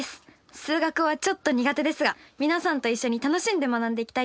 数学はちょっと苦手ですが皆さんと一緒に楽しんで学んでいきたいと思います。